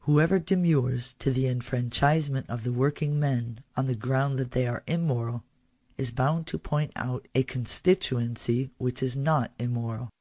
Whoever demurs to the enfranchisement of the working men on the ground that they are immoral, is bound to point out a constituency which is not immoral.